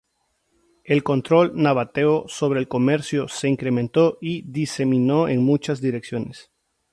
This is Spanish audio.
El control nabateo sobre el comercio se incrementó y diseminó en muchas direcciones.